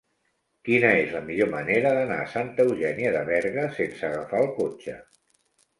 Quina és la millor manera d'anar a Santa Eugènia de Berga sense agafar el cotxe?